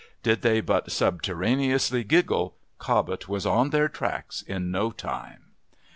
Did they but subterraneously giggle, Cobbet was on their tracks in no time.